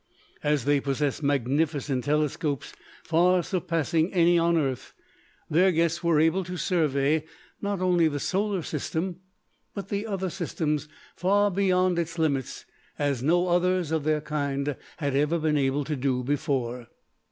As they possessed magnificent telescopes, far surpassing any on Earth, their guests were able to survey, not only the Solar System, but the other systems far beyond its limits as no others of their kind had ever been able to do before.